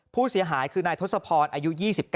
ผู้เสียหายคือนายทศพรอายุ๒๙